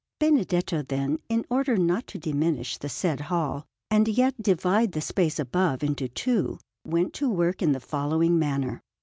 Benedetto, then, in order not to diminish the said hall and yet divide the space above into two, went to work in the following manner.